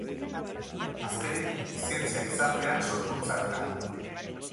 Azkenik, zientzia gizartean sorkuntza-beka.